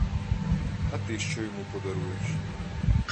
А ти що йому подаруєш?